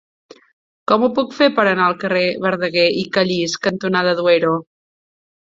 Com ho puc fer per anar al carrer Verdaguer i Callís cantonada Duero?